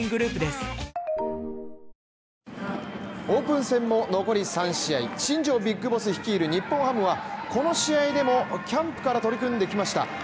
オープン戦も残り３試合新庄ビッグボス率いる日本ハムはこの試合でもキャンプから取り組んできました